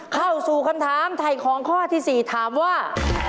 เข้าสู่คำถามถ่ายของข้อที่๔ถามว่า